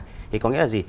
thì có nghĩa là gì